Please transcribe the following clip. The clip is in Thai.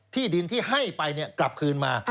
ที่ดินที่ให้ไปกลับคืนมา